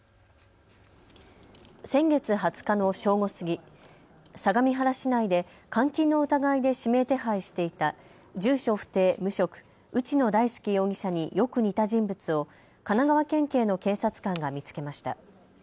先月２０日の正午過ぎ、相模原市内で監禁の疑いで指名手配していた住所不定、無職、内野大輔容疑者によく似た人物を神奈川県警の警察官が見つけました。